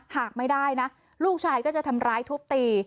หากไม่ได้นะลูกชายก็จะทำร้ายทุบตี